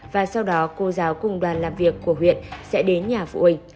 và sau đó cô giáo cùng đoàn làm việc của huyện sẽ đến nhà phụ huynh